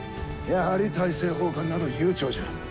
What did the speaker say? やはり大政奉還など悠長じゃ。